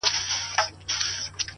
دا چي تاسي راته وایاست دا بکواس دی,